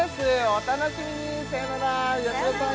お楽しみにさよならやしろさん